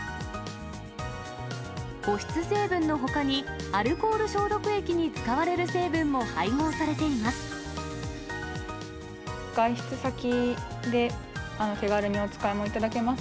保湿成分のほかに、アルコール消毒液に使われる成分も配合されています。